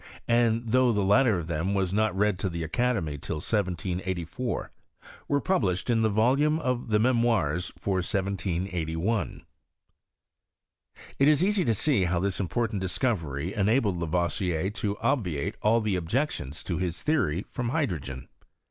115 1783, and thougli the latter of tliem was not read to the academy till 1784, were published in the volume of the Msmoirs for 1781. It is easy to see how this important discovery enabled Lavoisier to obviate all the objections to his theory from hydrogen.